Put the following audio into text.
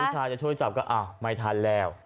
พี่สาวจะช่วยจับก็อ่ะไม่ทันแล้ว